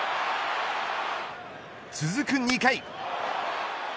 続く２回。